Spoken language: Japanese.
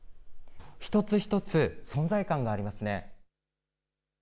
一つ一つ、存在感がありますね。